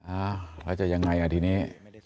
อ้าวแล้วจะยังไงที่นี่